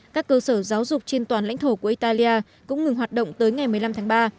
các cơ sở giáo dục trên toàn lãnh thổ của italia cũng ngừng hoạt động tới ngày một mươi năm tháng ba